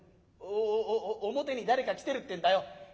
おおお表に誰か来てるってんだよ」。